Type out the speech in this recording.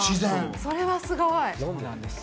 それはすごい！